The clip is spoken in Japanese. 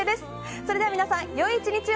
それでは皆さん良い１日を！